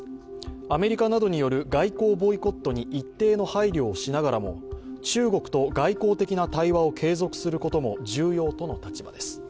アメリカなどによる外交ボイコットに一定の配慮はしながらも中国と外交的な対話を継続することも重要との立場です。